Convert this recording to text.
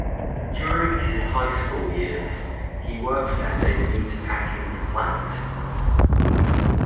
During his high school years he worked at a meatpacking plant.